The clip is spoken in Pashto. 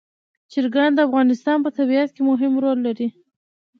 چرګان د افغانستان په طبیعت کې مهم رول لري.